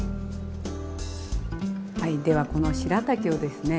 ではこのしらたきをですね